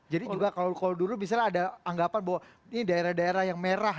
jadi juga kalau dulu misalnya ada anggapan bahwa ini daerah daerah yang merah